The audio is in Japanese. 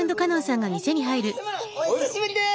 おっ久しぶりです。